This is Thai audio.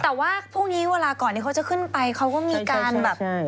แต่ว่าพรุ่งนี้เวลาก่อนที่เขาจะขึ้นไปเขาก็มีการแบบ